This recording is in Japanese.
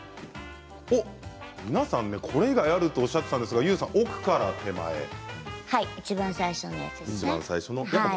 皆さんこれ以外ある？とおっしゃっていたんですがいちばん最初のやつです。